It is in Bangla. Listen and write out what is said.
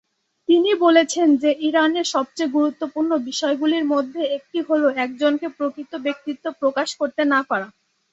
তিনি বলেছেন যে ইরানের সবচেয়ে গুরুত্বপূর্ণ বিষয়গুলির মধ্যে একটি হল একজনের প্রকৃত ব্যক্তিত্ব প্রকাশ করতে না পারা।